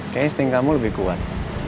kayaknya sting kamu lebih kuat